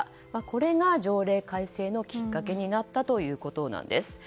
これが条例改正のきっかけになったということです。